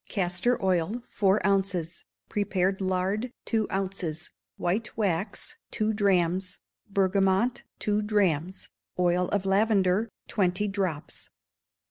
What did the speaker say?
Castor oil, four ounces; prepared lard, two ounces; white wax, two drachms; bergamot, two drachms; oil of lavender, twenty drops.